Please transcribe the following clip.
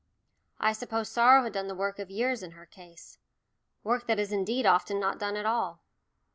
I suppose sorrow had done the work of years in her case work that is indeed often not done at all!